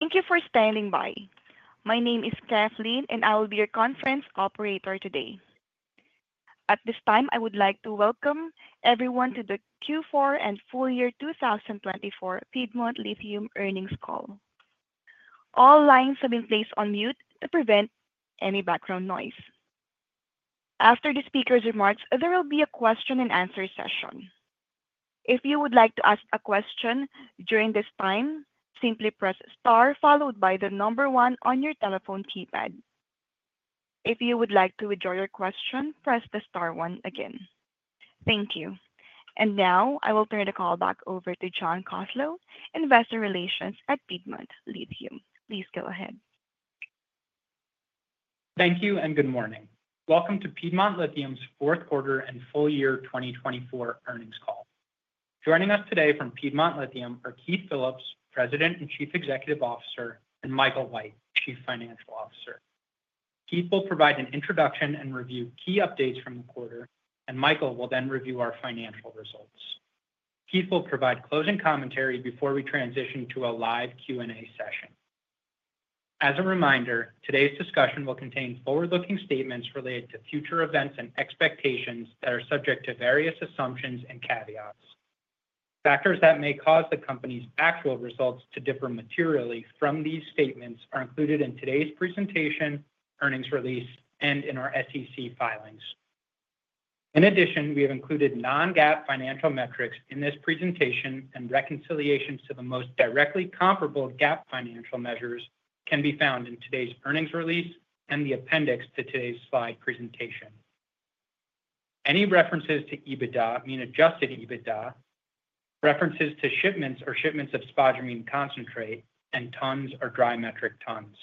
Thank you for standing by. My name is Kathleen, and I will be your conference operator today. At this time, I would like to welcome everyone to the Q4 and full year 2024 Piedmont Lithium Earnings Call. All lines have been placed on mute to prevent any background noise. After the speaker's remarks, there will be a question and answer session. If you would like to ask a question during this time, simply press star followed by the number one on your telephone keypad. If you would like to withdraw your question, press the star one again. Thank you. I will turn the call back over to John Koslow, Investor Relations at Piedmont Lithium. Please go ahead. Thank you and good morning. Welcome to Piedmont Lithium's Q4 and full year 2024 Earnings Call. Joining us today from Piedmont Lithium are Keith Phillips, President and Chief Executive Officer, and Michael White, Chief Financial Officer. Keith will provide an introduction and review key updates from the quarter, and Michael will then review our financial results. Keith will provide closing commentary before we transition to a live Q&A session. As a reminder, today's discussion will contain forward-looking statements related to future events and expectations that are subject to various assumptions and caveats. Factors that may cause the company's actual results to differ materially from these statements are included in today's presentation, earnings release, and in our SEC filings. In addition, we have included non-GAAP financial metrics in this presentation, and reconciliations to the most directly comparable GAAP financial measures can be found in today's earnings release and the appendix to today's slide presentation. Any references to EBITDA mean adjusted EBITDA, references to shipments or shipments of spodumene concentrate, and tons or dry metric tons.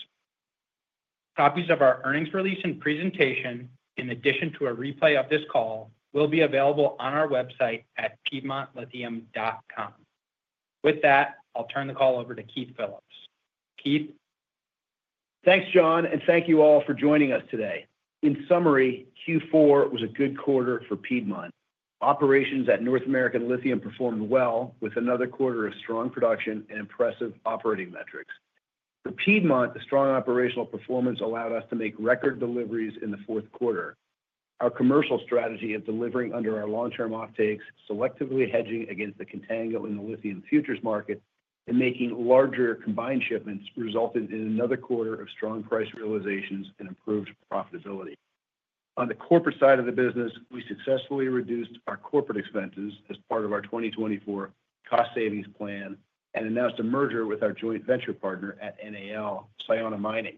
Copies of our earnings release and presentation, in addition to a replay of this call, will be available on our website at piedmontlithium.com. With that, I'll turn the call over to Keith Phillips. Keith. Thanks, John, and thank you all for joining us today. In summary, Q4 was a good quarter for Piedmont. Operations at North American Lithium performed well, with another quarter of strong production and impressive operating metrics. For Piedmont, the strong operational performance allowed us to make record deliveries in the Q4. Our commercial strategy of delivering under our long-term offtakes, selectively hedging against the contango in the lithium futures market, and making larger combined shipments resulted in another quarter of strong price realizations and improved profitability. On the corporate side of the business, we successfully reduced our corporate expenses as part of our 2024 cost savings plan and announced a merger with our joint venture partner at NAL, Sayona Mining.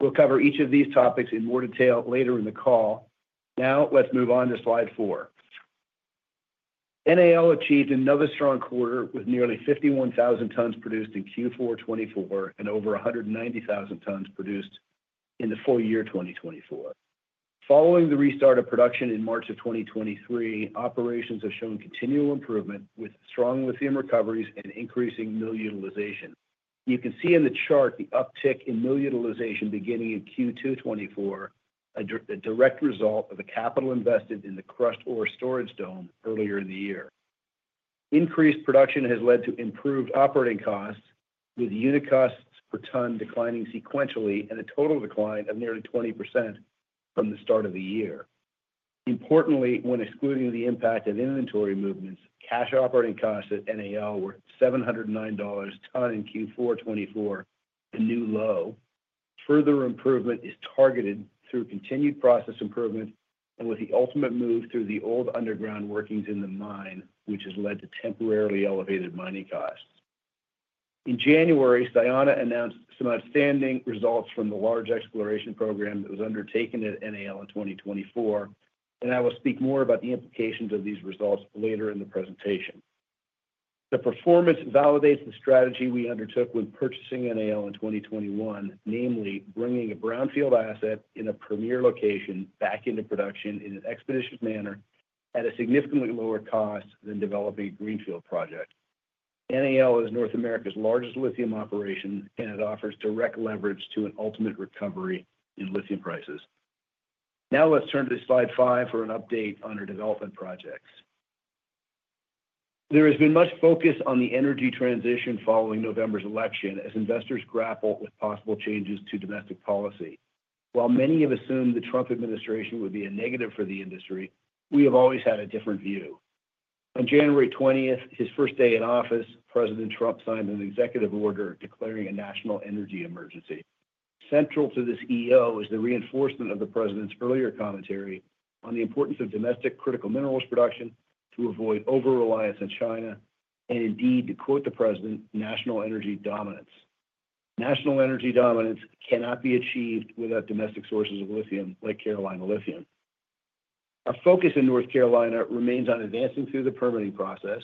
We will cover each of these topics in more detail later in the call. Now let's move on to slide four. NAL achieved another strong quarter with nearly 51,000 tons produced in Q4 2024 and over 190,000 tons produced in the full year 2024. Following the restart of production in March of 2023, operations have shown continual improvement with strong lithium recoveries and increasing mill utilization. You can see in the chart the uptick in mill utilization beginning in Q2 2024, a direct result of the capital invested in the crushed ore storage dome earlier in the year. Increased production has led to improved operating costs, with unit costs per ton declining sequentially and a total decline of nearly 20% from the start of the year. Importantly, when excluding the impact of inventory movements, cash operating costs at NAL were $709 a ton in Q4 2024, a new low. Further improvement is targeted through continued process improvement and with the ultimate move through the old underground workings in the mine, which has led to temporarily elevated mining costs. In January, Sayona announced some outstanding results from the large exploration program that was undertaken at NAL in 2024, and I will speak more about the implications of these results later in the presentation. The performance validates the strategy we undertook when purchasing NAL in 2021, namely bringing a brownfield asset in a premier location back into production in an expeditious manner at a significantly lower cost than developing a greenfield project. NAL is North America's largest lithium operation, and it offers direct leverage to an ultimate recovery in lithium prices. Now let's turn to slide five for an update on our development projects. There has been much focus on the energy transition following November's election as investors grapple with possible changes to domestic policy. While many have assumed the Trump administration would be a negative for the industry, we have always had a different view. On January 20th, his first day in office, President Trump signed an executive order declaring a national energy emergency. Central to this EO is the reinforcement of the president's earlier commentary on the importance of domestic critical minerals production to avoid over-reliance on China and indeed, to quote the president, national energy dominance. National energy dominance cannot be achieved without domestic sources of lithium like Carolina Lithium. Our focus in North Carolina remains on advancing through the permitting process.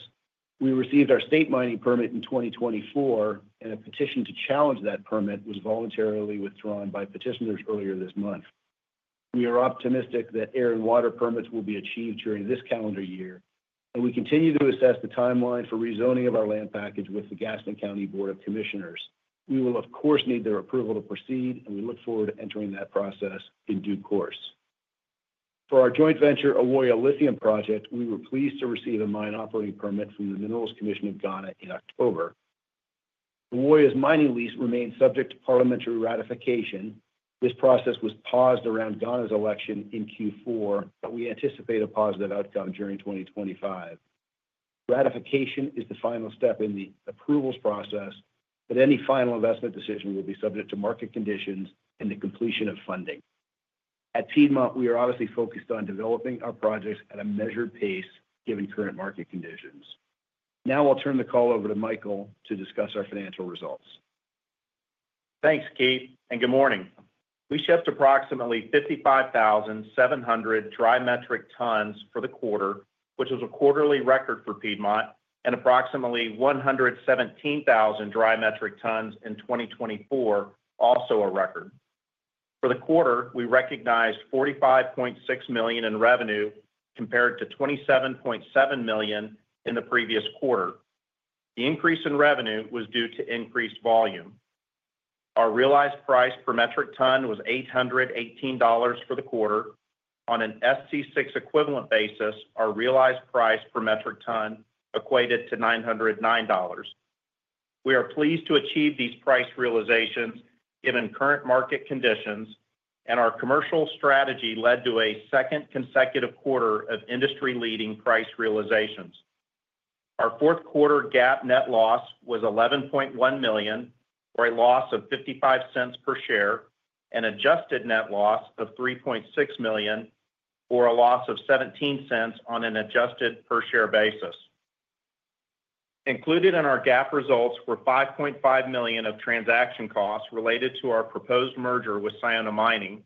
We received our state mining permit in 2024, and a petition to challenge that permit was voluntarily withdrawn by petitioners earlier this month. We are optimistic that air and water permits will be achieved during this calendar year, and we continue to assess the timeline for rezoning of our land package with the Gaston County Board of Commissioners. We will, of course, need their approval to proceed, and we look forward to entering that process in due course. For our joint venture, Ewoyaa Lithium Project, we were pleased to receive a mine operating permit from the Minerals Commission of Ghana in October. Ewoyaa's mining lease remained subject to parliamentary ratification. This process was paused around Ghana's election in Q4, but we anticipate a positive outcome during 2025. Ratification is the final step in the approvals process, but any final investment decision will be subject to market conditions and the completion of funding. At Piedmont, we are obviously focused on developing our projects at a measured pace given current market conditions. Now I'll turn the call over to Michael to discuss our financial results. Thanks, Keith, and good morning. We shipped approximately 55,700 dry metric tons for the quarter, which was a quarterly record for Piedmont, and approximately 117,000 dry metric tons in 2024, also a record. For the quarter, we recognized $45.6 million in revenue compared to $27.7 million in the previous quarter. The increase in revenue was due to increased volume. Our realized price per metric ton was $818 for the quarter. On an ST6 equivalent basis, our realized price per metric ton equated to $909. We are pleased to achieve these price realizations given current market conditions, and our commercial strategy led to a second consecutive quarter of industry-leading price realizations. Our Q4 GAAP net loss was $11.1 million for a loss of $0.55 per share and adjusted net loss of $3.6 million for a loss of $0.17 on an adjusted per share basis. Included in our GAAP results were $5.5 million of transaction costs related to our proposed merger with Sayona Mining,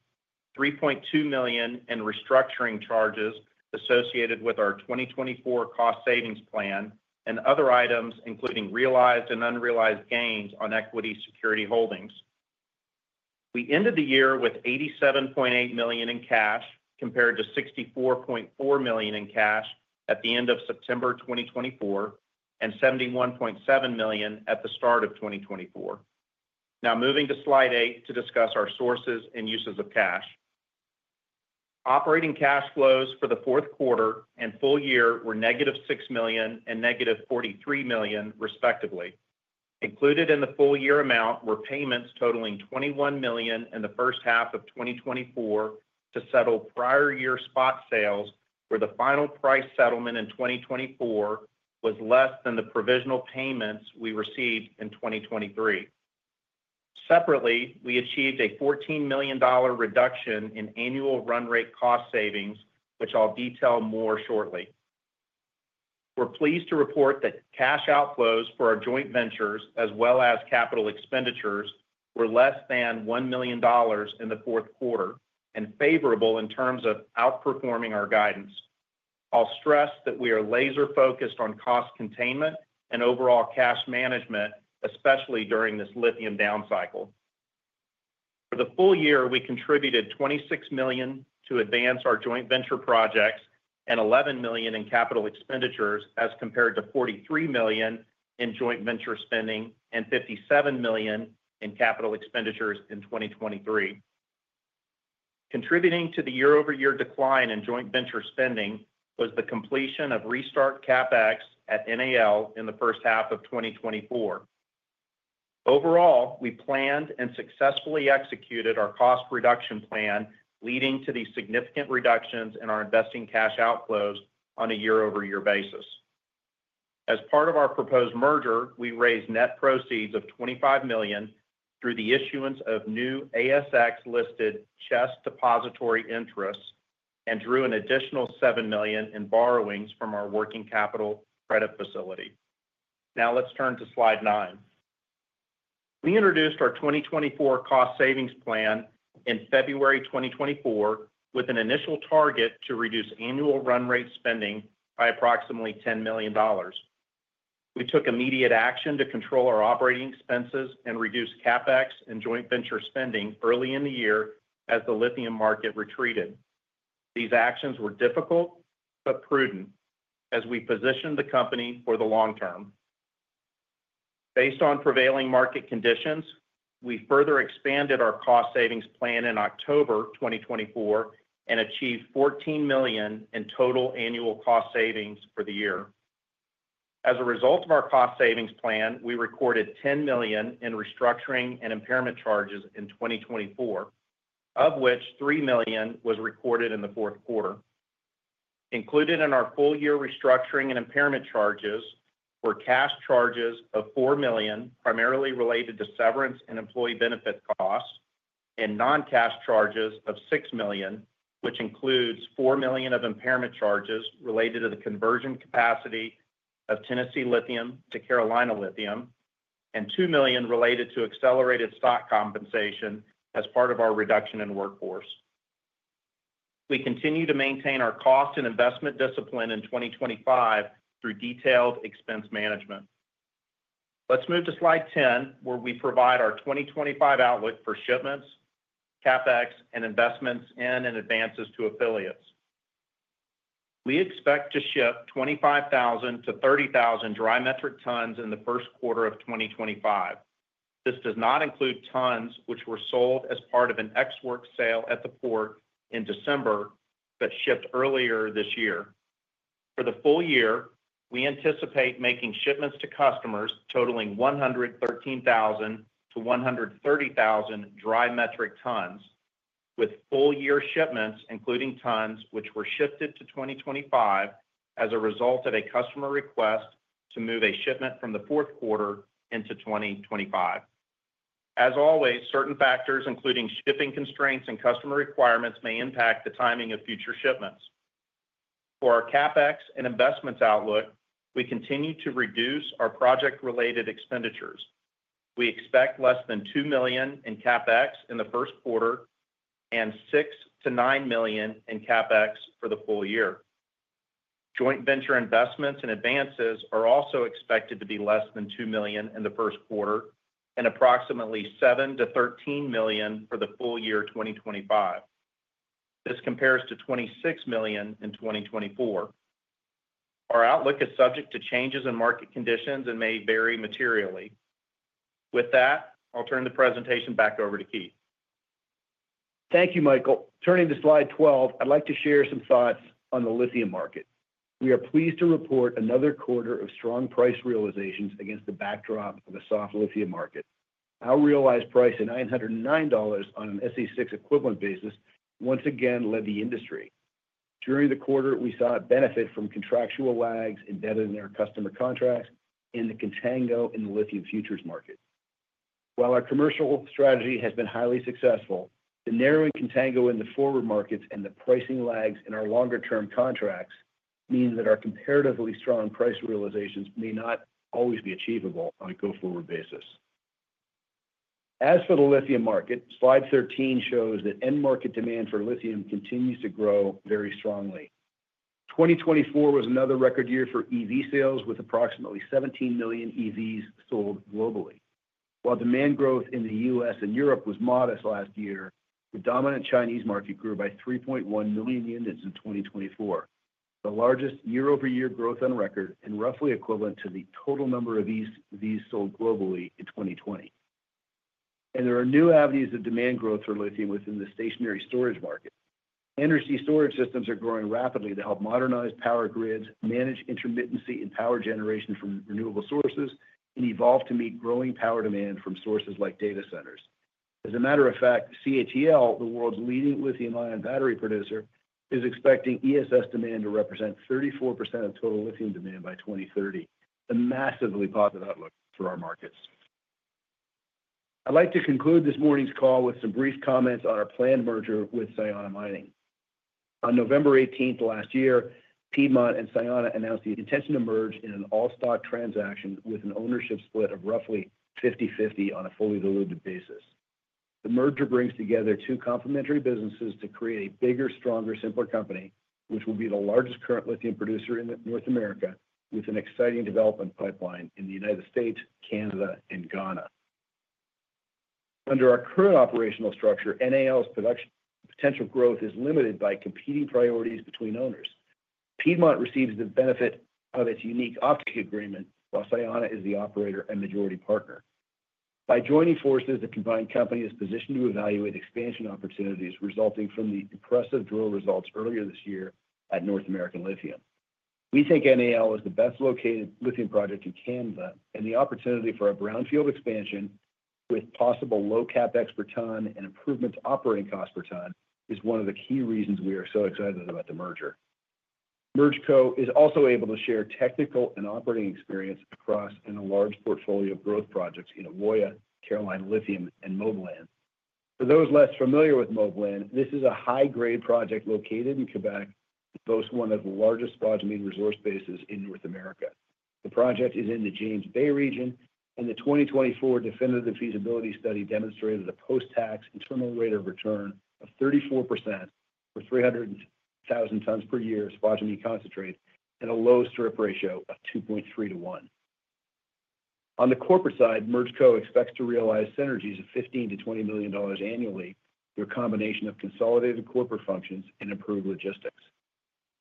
$3.2 million in restructuring charges associated with our 2024 cost savings plan, and other items including realized and unrealized gains on equity security holdings. We ended the year with $87.8 million in cash compared to $64.4 million in cash at the end of September 2024 and $71.7 million at the start of 2024. Now moving to slide eight to discuss our sources and uses of cash. Operating cash flows for the Q4 and full year were negative $6 million and negative $43 million, respectively. Included in the full year amount were payments totaling $21 million in the first half of 2024 to settle prior year spot sales, where the final price settlement in 2024 was less than the provisional payments we received in 2023. Separately, we achieved a $14 million reduction in annual run rate cost savings, which I'll detail more shortly. We're pleased to report that cash outflows for our joint ventures, as well as capital expenditures, were less than $1 million in the Q4 and favorable in terms of outperforming our guidance. I'll stress that we are laser-focused on cost containment and overall cash management, especially during this lithium down cycle. For the full year, we contributed $26 million to advance our joint venture projects and $11 million in capital expenditures, as compared to $43 million in joint venture spending and $57 million in capital expenditures in 2023. Contributing to the year-over-year decline in joint venture spending was the completion of restart CapEx at NAL in the first half of 2024. Overall, we planned and successfully executed our cost reduction plan, leading to these significant reductions in our investing cash outflows on a year-over-year basis. As part of our proposed merger, we raised net proceeds of 25 million through the issuance of new ASX-listed CHESS Depository interests and drew an additional 7 million in borrowings from our working capital credit facility. Now let's turn to slide nine. We introduced our 2024 cost savings plan in February 2024 with an initial target to reduce annual run rate spending by approximately $10 million. We took immediate action to control our operating expenses and reduce CapEx and joint venture spending early in the year as the lithium market retreated. These actions were difficult but prudent as we positioned the company for the long term. Based on prevailing market conditions, we further expanded our cost savings plan in October 2024 and achieved $14 million in total annual cost savings for the year. As a result of our cost savings plan, we recorded $10 million in restructuring and impairment charges in 2024, of which $3 million was recorded in the Q4. Included in our full year restructuring and impairment charges were cash charges of $4 million, primarily related to severance and employee benefit costs, and non-cash charges of $6 million, which includes $4 million of impairment charges related to the conversion capacity of Tennessee lithium to Carolina Lithium, and $2 million related to accelerated stock compensation as part of our reduction in workforce. We continue to maintain our cost and investment discipline in 2025 through detailed expense management. Let's move to slide 10, where we provide our 2025 outlook for shipments, CapEx, and investments and advances to affiliates. We expect to ship 25,000 to 30,000 dry metric tons in the Q1 of 2025. This does not include tons which were sold as part of an Ex Works sale at the port in December, but shipped earlier this year. For the full year, we anticipate making shipments to customers totaling 113,000 to 130,000 dry metric tons, with full year shipments, including tons which were shifted to 2025 as a result of a customer request to move a shipment from the Q4 into 2025. As always, certain factors, including shipping constraints and customer requirements, may impact the timing of future shipments. For our CapEx and investments outlook, we continue to reduce our project-related expenditures. We expect less than $2 million in CapEx in the Q1 and $6 to 9 million in CapEx for the full year. Joint venture investments and advances are also expected to be less than $2 million in the Q1 and approximately $7 to 13 million for the full year 2025. This compares to $26 million in 2024. Our outlook is subject to changes in market conditions and may vary materially. With that, I'll turn the presentation back over to Keith. Thank you, Michael. Turning to slide 12, I'd like to share some thoughts on the lithium market. We are pleased to report another quarter of strong price realizations against the backdrop of a soft lithium market. Our realized price at $909 on an ST6 equivalent basis once again led the industry. During the quarter, we saw a benefit from contractual lags embedded in our customer contracts and the contango in the lithium futures market. While our commercial strategy has been highly successful, the narrowing contango in the forward markets and the pricing lags in our longer-term contracts mean that our comparatively strong price realizations may not always be achievable on a go-forward basis. As for the lithium market, slide 13 shows that end market demand for lithium continues to grow very strongly. 2024 was another record year for EV sales, with approximately 17 million EVs sold globally. While demand growth in the US and Europe was modest last year, the dominant Chinese market grew by 3.1 million units in 2024, the largest year-over-year growth on record and roughly equivalent to the total number of EVs sold globally in 2020. There are new avenues of demand growth for lithium within the stationary storage market. Energy storage systems are growing rapidly to help modernize power grids, manage intermittency in power generation from renewable sources, and evolve to meet growing power demand from sources like data centers. As a matter of fact, CATL, the world's leading lithium-ion battery producer, is expecting ESS demand to represent 34% of total lithium demand by 2030, a massively positive outlook for our markets. I'd like to conclude this morning's call with some brief comments on our planned merger with Sayona Mining. On November 18th last year, Piedmont and Sayona announced the intention to merge in an all-stock transaction with an ownership split of roughly 50/50 on a fully diluted basis. The merger brings together two complementary businesses to create a bigger, stronger, simpler company, which will be the largest current lithium producer in North America, with an exciting development pipeline in the United States, Canada, and Ghana. Under our current operational structure, NAL's potential growth is limited by competing priorities between owners. Piedmont receives the benefit of its unique offtake agreement, while Sayona is the operator and majority partner. By joining forces, the combined company is positioned to evaluate expansion opportunities resulting from the impressive drill results earlier this year at North American Lithium. We think NAL is the best located lithium project in Canada, and the opportunity for a brownfield expansion with possible low CapEx per ton and improvements to operating costs per ton is one of the key reasons we are so excited about the merger. MergeCo is also able to share technical and operating experience across a large portfolio of growth projects in Ewoyaa, Carolina Lithium, and Moblan. For those less familiar with Moblan, this is a high-grade project located in Quebec that boasts one of the largest spodumene resource bases in North America. The project is in the James Bay region, and the 2024 definitive feasibility study demonstrated a post-tax internal rate of return of 34% for 300,000 tons per year of spodumene concentrate and a low strip ratio of 2.3:1. On the corporate side, MergeCo expects to realize synergies of $15-$20 million annually through a combination of consolidated corporate functions and improved logistics.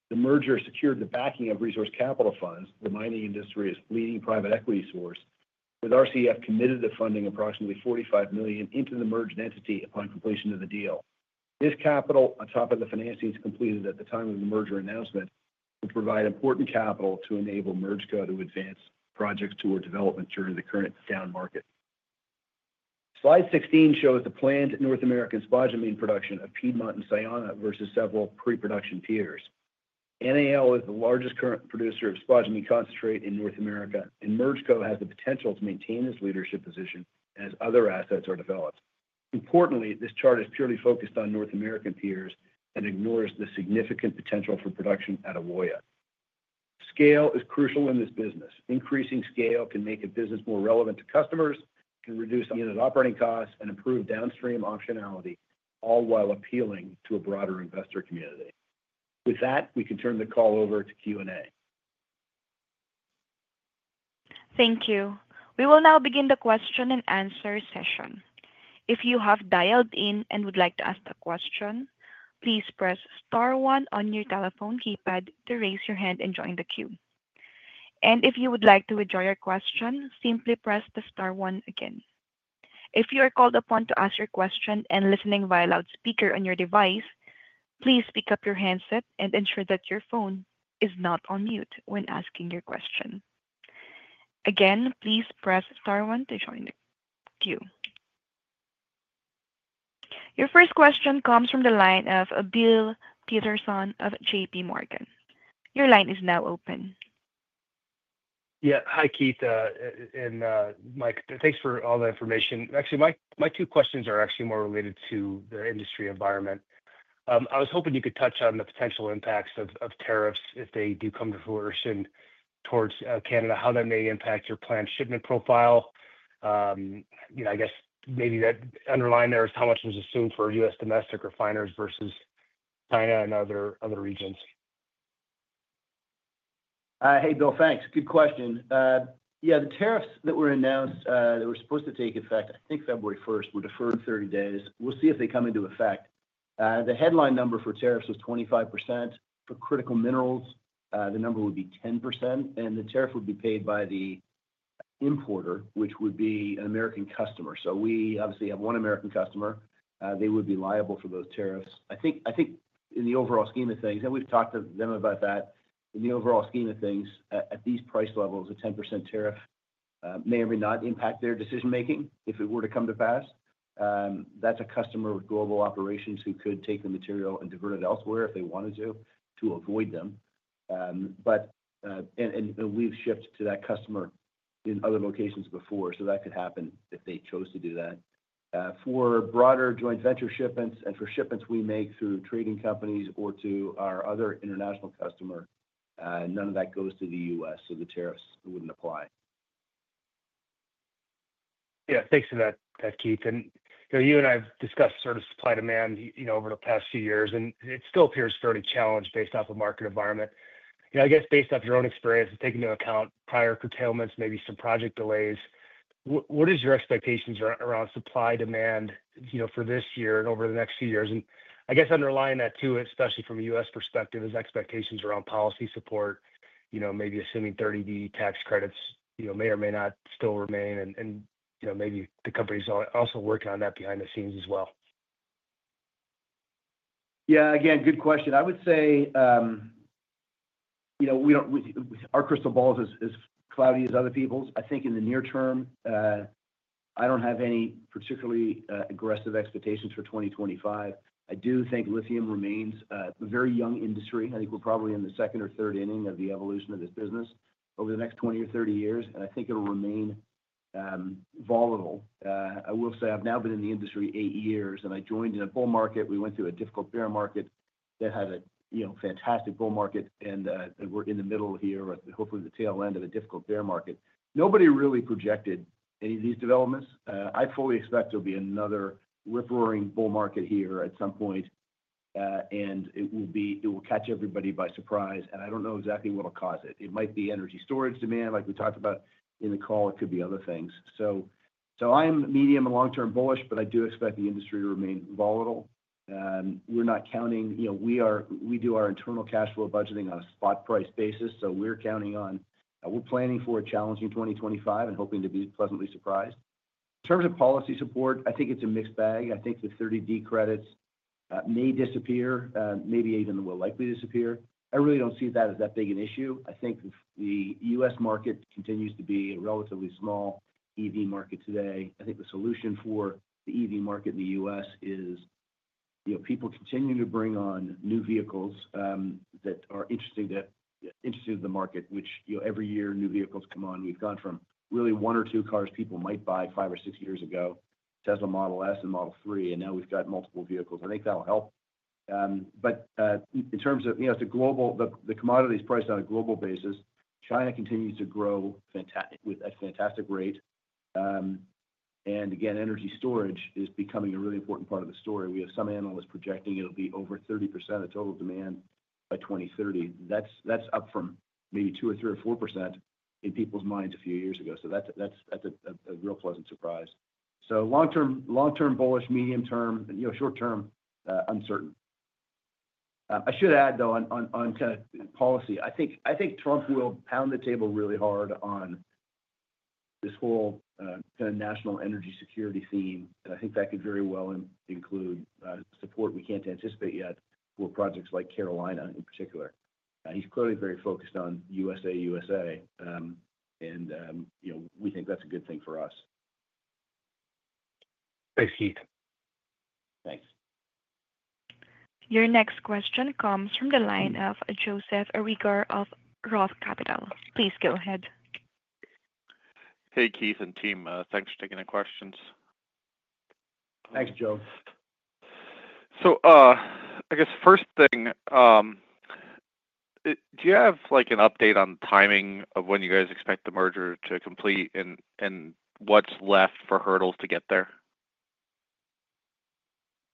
The merger secured the backing of Resource Capital Funds, the mining industry's leading private equity source, with RCF committed to funding approximately $45 million into the merged entity upon completion of the deal. This capital, on top of the financings completed at the time of the merger announcement, will provide important capital to enable MergeCo to advance projects toward development during the current down market. Slide 16 shows the planned North American spodumene production of Piedmont and Sayona versus several pre-production peers. NAL is the largest current producer of spodumene concentrate in North America, and MergeCo has the potential to maintain this leadership position as other assets are developed. Importantly, this chart is purely focused on North American peers and ignores the significant potential for production at Ewoyaa. Scale is crucial in this business. Increasing scale can make a business more relevant to customers, can reduce unit operating costs, and improve downstream optionality, all while appealing to a broader investor community. With that, we can turn the call over to Q&A. Thank you. We will now begin the question and answer session. If you have dialed in and would like to ask a question, please press star one on your telephone keypad to raise your hand and join the queue. If you would like to withdraw your question, simply press the star one again. If you are called upon to ask your question and listening via loudspeaker on your device, please pick up your handset and ensure that your phone is not on mute when asking your question. Again, please press star one to join the queue. Your first question comes from the line of Bill Peterson of JP Morgan. Your line is now open. Yeah. Hi, Keith and Mike. Thanks for all the information. Actually, my two questions are actually more related to the industry environment. I was hoping you could touch on the potential impacts of tariffs if they do come to fruition towards Canada, how that may impact your planned shipment profile. I guess maybe that underlying there is how much was assumed for US domestic refiners versus China and other regions. Hey, Bill, thanks. Good question. Yeah, the tariffs that were announced that were supposed to take effect, I think February 1, were deferred 30 days. We'll see if they come into effect. The headline number for tariffs was 25%. For critical minerals, the number would be 10%, and the tariff would be paid by the importer, which would be an American customer. So we obviously have one American customer. They would be liable for those tariffs. I think in the overall scheme of things, and we've talked to them about that, in the overall scheme of things, at these price levels, a 10% tariff may or may not impact their decision-making if it were to come to pass. That's a customer with global operations who could take the material and divert it elsewhere if they wanted to, to avoid them. We have shipped to that customer in other locations before, so that could happen if they chose to do that. For broader joint venture shipments and for shipments we make through trading companies or to our other international customer, none of that goes to the US, so the tariffs would not apply. Yeah, thanks for that, Keith. You and I have discussed sort of supply-demand over the past few years, and it still appears fairly challenged based off the market environment. I guess based off your own experience, taking into account prior curtailments, maybe some project delays, what are your expectations around supply-demand for this year and over the next few years? I guess underlying that too, especially from a US perspective, is expectations around policy support, maybe assuming 30D tax credits may or may not still remain, and maybe the company's also working on that behind the scenes as well. Yeah, again, good question. I would say our crystal ball is as cloudy as other people's. I think in the near term, I don't have any particularly aggressive expectations for 2025. I do think lithium remains a very young industry. I think we're probably in the second or third inning of the evolution of this business over the next 20 or 30 years, and I think it'll remain volatile. I will say I've now been in the industry eight years, and I joined in a bull market. We went through a difficult bear market that had a fantastic bull market, and we're in the middle here, hopefully the tail end of a difficult bear market. Nobody really projected any of these developments. I fully expect there'll be another rip-roaring bull market here at some point, and it will catch everybody by surprise, and I don't know exactly what'll cause it. It might be energy storage demand, like we talked about in the call. It could be other things. I am medium and long-term bullish, but I do expect the industry to remain volatile. We are not counting—we do our internal cash flow budgeting on a spot price basis, so we are counting on—we are planning for a challenging 2025 and hoping to be pleasantly surprised. In terms of policy support, I think it is a mixed bag. I think the 30D credits may disappear, maybe even will likely disappear. I really do not see that as that big an issue. I think the US market continues to be a relatively small EV market today. I think the solution for the EV market in the US is people continuing to bring on new vehicles that are interesting to the market, which every year new vehicles come on. We've gone from really one or two cars people might buy five or six years ago, Tesla Model S and Model 3, and now we've got multiple vehicles. I think that'll help. In terms of the commodities priced on a global basis, China continues to grow at a fantastic rate. Again, energy storage is becoming a really important part of the story. We have some analysts projecting it'll be over 30% of total demand by 2030. That's up from maybe 2% or 3% or 4% in people's minds a few years ago. That's a real pleasant surprise. Long-term bullish, medium-term, short-term uncertain. I should add, though, on kind of policy, I think Trump will pound the table really hard on this whole kind of national energy security theme, and I think that could very well include support we can't anticipate yet for projects like Carolina in particular. He's clearly very focused on USA, USA, and we think that's a good thing for us. Thanks, Keith. Thanks. Your next question comes from the line of Joseph Reagor of Roth Capital. Please go ahead. Hey, Keith and team. Thanks for taking the questions. Thanks, Joe. I guess first thing, do you have an update on timing of when you guys expect the merger to complete and what's left for hurdles to get there?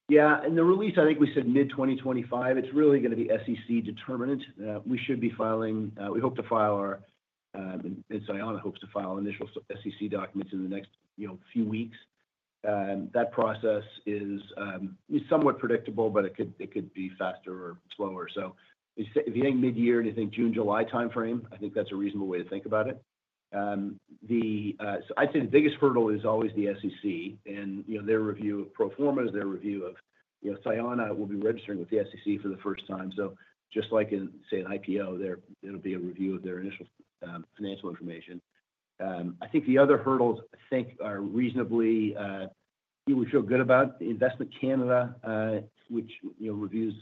Yeah. In the release, I think we said mid-2025. It's really going to be SEC determinant. We should be filing we hope to file our and Sayona hopes to file initial SEC documents in the next few weeks. That process is somewhat predictable, but it could be faster or slower. If you think mid-year and you think June/July timeframe, I think that's a reasonable way to think about it. I'd say the biggest hurdle is always the SEC and their review of pro formas, their review of Sayona will be registering with the SEC for the first time. Just like, say, an IPO, there'll be a review of their initial financial information. I think the other hurdles I think are reasonably we feel good about. Investment Canada, which reviews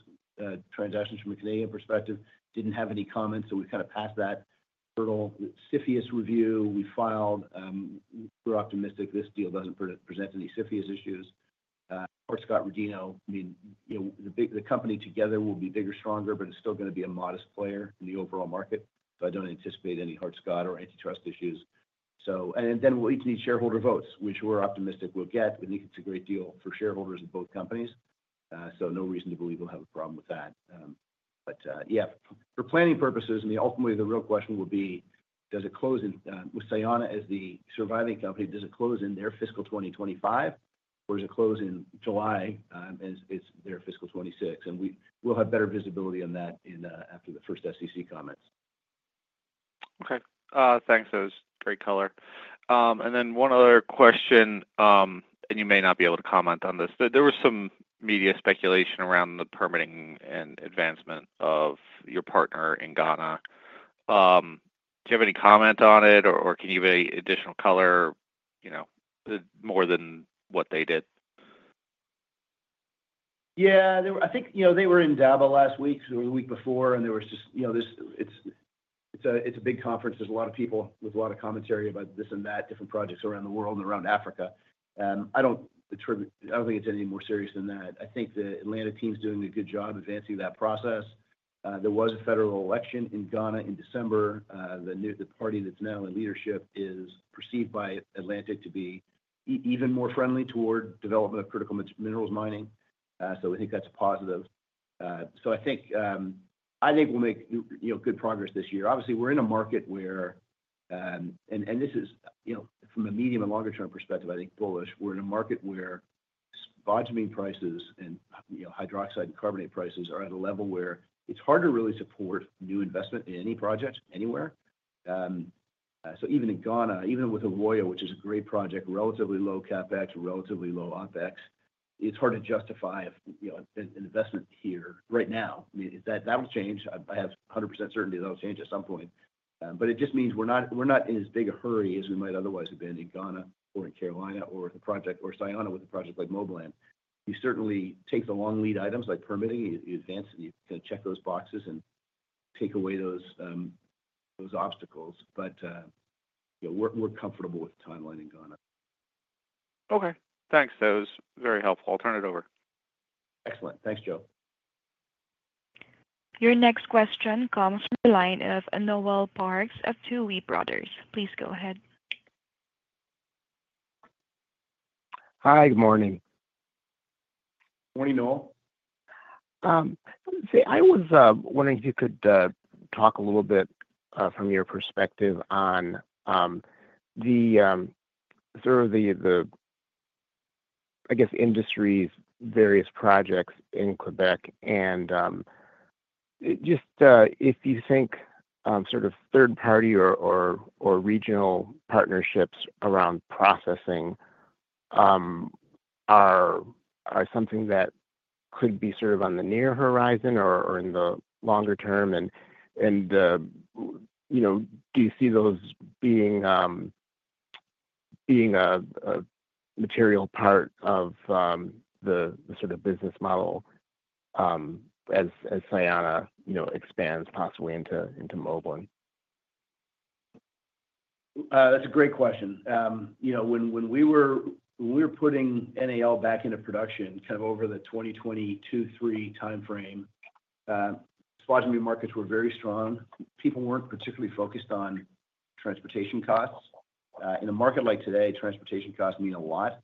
transactions from a Canadian perspective, didn't have any comments, so we kind of passed that hurdle. The CFIUS review we filed, we're optimistic this deal doesn't present any CFIUS issues. Hart-Scott-Rodino, I mean, the company together will be bigger, stronger, but it's still going to be a modest player in the overall market. I don't anticipate any Hart-Scott or antitrust issues. We'll each need shareholder votes, which we're optimistic we'll get. We think it's a great deal for shareholders of both companies, so no reason to believe we'll have a problem with that. For planning purposes, I mean, ultimately the real question will be, does it close in with Sayona as the surviving company, does it close in their fiscal 2025, or does it close in July and it's their fiscal 2026? We'll have better visibility on that after the first SEC comments. Okay. Thanks. That was great color. One other question, and you may not be able to comment on this. There was some media speculation around the permitting and advancement of your partner in Ghana. Do you have any comment on it, or can you give any additional color more than what they did? Yeah. I think they were Indaba last week or the week before, and there was just it is a big conference. There are a lot of people with a lot of commentary about this and that, different projects around the world and around Africa. I do not think it is any more serious than that. I think the Atlantic team is doing a good job advancing that process. There was a federal election in Ghana in December. The party that is now in leadership is perceived by Atlantic to be even more friendly toward the development of critical minerals mining. We think that is positive. I think we will make good progress this year. Obviously, we're in a market where, and this is from a medium and longer-term perspective, I think bullish, we're in a market where spodumene prices and hydroxide and carbonate prices are at a level where it's hard to really support new investment in any project anywhere. Even in Ghana, even with Ewoyaa, which is a great project, relatively low CapEx, relatively low OpEx, it's hard to justify an investment here right now. I mean, that'll change. I have 100% certainty that'll change at some point. It just means we're not in as big a hurry as we might otherwise have been in Ghana or in Carolina or with a project or Sayona with a project like Moblan. You certainly take the long lead items like permitting. You advance and you kind of check those boxes and take away those obstacles. We're comfortable with the timeline in Ghana. Okay. Thanks. That was very helpful. I'll turn it over. Excellent. Thanks, Joe. Your next question comes from the line of Noel Parks of Tuohy Brothers. Please go ahead. Hi. Good morning. Morning, Noel. See, I was wondering if you could talk a little bit from your perspective on sort of the, I guess, industry's various projects in Quebec. And just if you think sort of third-party or regional partnerships around processing are something that could be sort of on the near horizon or in the longer term, and do you see those being a material part of the sort of business model as Sayona expands possibly into Moblan? That's a great question. When we were putting NAL back into production kind of over the 2020-2023 timeframe, spodumene markets were very strong. People were not particularly focused on transportation costs. In a market like today, transportation costs mean a lot.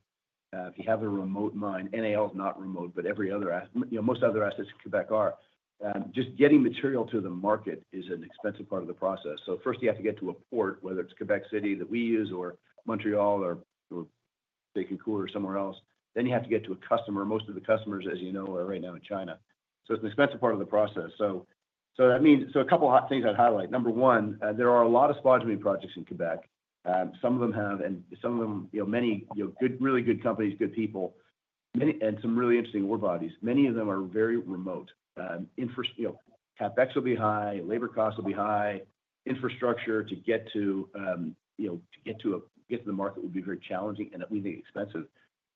If you have a remote mine, NAL is not remote, but most other assets in Quebec are. Just getting material to the market is an expensive part of the process. First, you have to get to a port, whether it is Quebec City that we use or Montreal or Baie-Comeau or somewhere else. Then you have to get to a customer. Most of the customers, as you know, are right now in China. It is an expensive part of the process. That means a couple of things I would highlight. Number one, there are a lot of spodumene projects in Quebec. Some of them have, and some of them many really good companies, good people, and some really interesting ore bodies. Many of them are very remote. CapEx will be high. Labor costs will be high. Infrastructure to get to the market will be very challenging and, at least, expensive.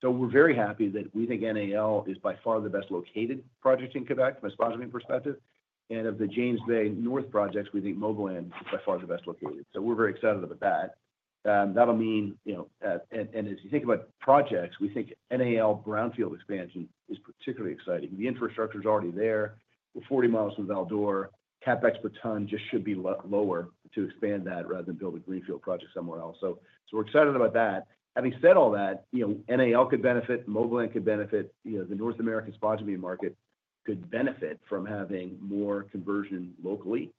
We are very happy that we think NAL is by far the best located project in Quebec from a spodumene perspective. Of the James Bay North projects, we think Moblan is by far the best located. We are very excited about that. That will mean—and as you think about projects, we think NAL brownfield expansion is particularly exciting. The infrastructure is already there. We are 40 mi from Val-d'Or. CapEx per ton just should be lower to expand that rather than build a greenfield project somewhere else. We are excited about that. Having said all that, NAL could benefit. Moblan could benefit. The North American spodumene market could benefit from having more conversion locally.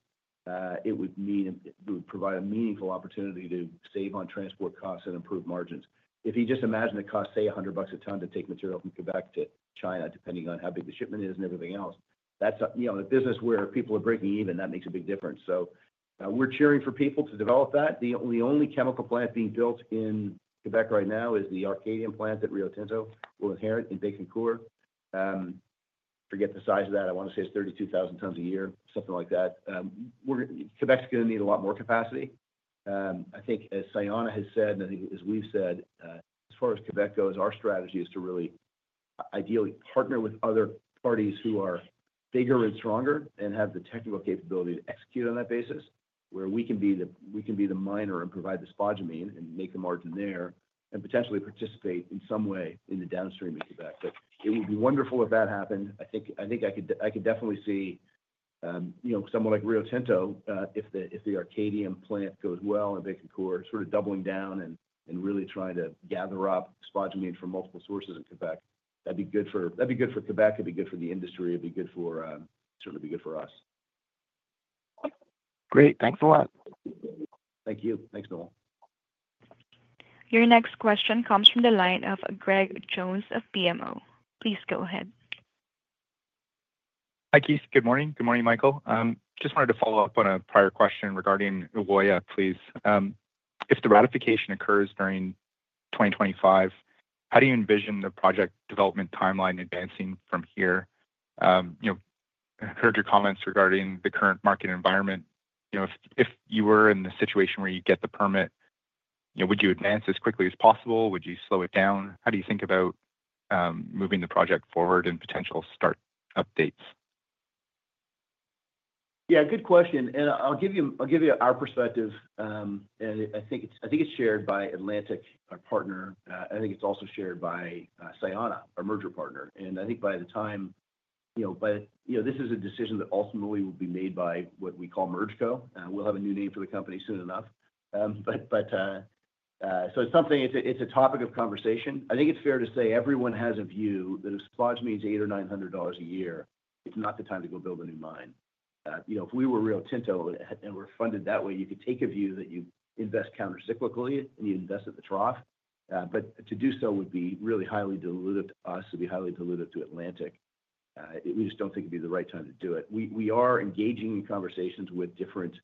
It would provide a meaningful opportunity to save on transport costs and improve margins. If you just imagine it costs, say, $100 a ton to take material from Quebec to China, depending on how big the shipment is and everything else, that's a business where people are breaking even. That makes a big difference. We are cheering for people to develop that. The only chemical plant being built in Quebec right now is the Arcadium plant at Rio Tinto or in Baie-Comeau. Forget the size of that. I want to say it's 32,000 tons a year, something like that. Quebec's going to need a lot more capacity. I think, as Sayona has said, and I think as we've said, as far as Quebec goes, our strategy is to really ideally partner with other parties who are bigger and stronger and have the technical capability to execute on that basis, where we can be the miner and provide the spodumene and make the margin there and potentially participate in some way in the downstream of Quebec. It would be wonderful if that happened. I think I could definitely see someone like Rio Tinto, if the Arcadium plant goes well and Baie-Comeau sort of doubling down and really trying to gather up spodumene from multiple sources in Quebec, that would be good for Quebec. It would be good for the industry. It would certainly be good for us. Great. Thanks a lot. Thank you. Thanks, Noel. Your next question comes from the line of Greg Jones of BMO. Please go ahead. Hi, Keith. Good morning. Good morning, Michael. Just wanted to follow up on a prior question regarding Ewoyaa, please. If the ratification occurs during 2025, how do you envision the project development timeline advancing from here? I heard your comments regarding the current market environment. If you were in the situation where you get the permit, would you advance as quickly as possible? Would you slow it down? How do you think about moving the project forward and potential start updates? Yeah. Good question. I'll give you our perspective. I think it's shared by Atlantic, our partner. I think it's also shared by Sayona, our merger partner. I think by the time this is a decision that ultimately will be made by what we call MergeCo. We'll have a new name for the company soon enough. It's a topic of conversation. I think it's fair to say everyone has a view that if spodumene is $800 or $900 a year, it's not the time to go build a new mine. If we were Rio Tinto and were funded that way, you could take a view that you invest countercyclically and you invest at the trough. To do so would be really highly dilutive to us. It would be highly dilutive to Atlantic. We just don't think it'd be the right time to do it. We are engaging in conversations with different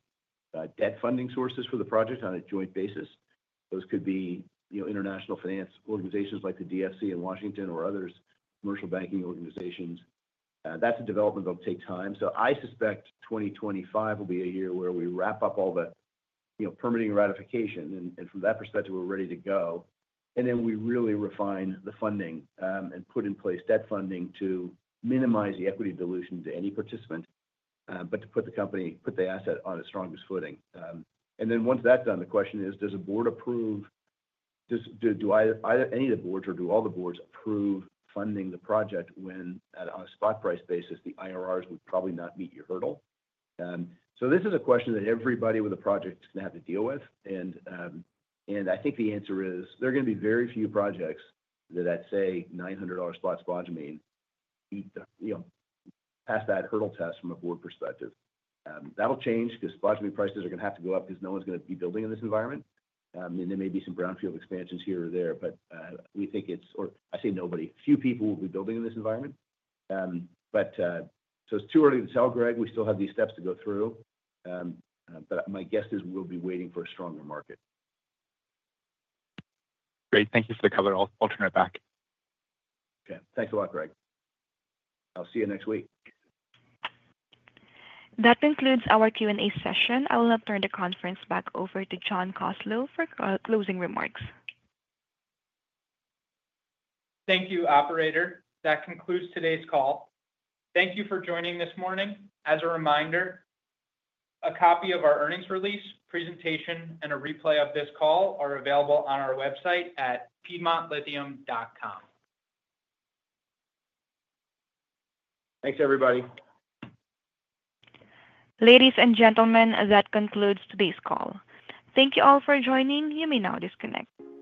debt funding sources for the project on a joint basis. Those could be international finance organizations like the DFC in Washington or others, commercial banking organizations. That is a development that'll take time. I suspect 2025 will be a year where we wrap up all the permitting ratification. From that perspective, we're ready to go. We really refine the funding and put in place debt funding to minimize the equity dilution to any participant, but to put the company, put the asset on its strongest footing. Once that's done, the question is, does a board approve do any of the boards or do all the boards approve funding the project when on a spot price basis, the IRRs would probably not meet your hurdle? This is a question that everybody with a project is going to have to deal with. I think the answer is there are going to be very few projects that at, say, $900 spot spodumene pass that hurdle test from a board perspective. That will change because spodumene prices are going to have to go up because no one's going to be building in this environment. I mean, there may be some brownfield expansions here or there, but we think it's or I say nobody. Few people will be building in this environment. It is too early to tell, Greg. We still have these steps to go through. My guess is we'll be waiting for a stronger market. Great. Thank you for the cover. I'll turn it back. Okay. Thanks a lot, Greg. I'll see you next week. That concludes our Q&A session. I will now turn the conference back over to John Koslow for closing remarks. Thank you, Operator. That concludes today's call. Thank you for joining this morning. As a reminder, a copy of our earnings release, presentation, and a replay of this call are available on our website at piedmontlithium.com. Thanks, everybody. Ladies and gentlemen, that concludes today's call. Thank you all for joining. You may now disconnect.